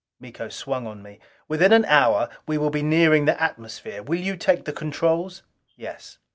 Miko swung on me. "Within an hour we will be nearing the atmosphere. Will you take the controls?" "Yes."